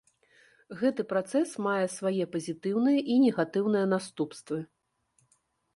Гэты працэс мае свае пазітыўныя і негатыўныя наступствы.